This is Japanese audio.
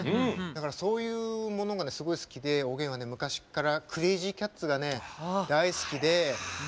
だから、そういうものがすごい好きでおげんは、昔からクレイジーキャッツが大好きで。